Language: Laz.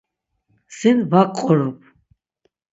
Sin va ǩqorop.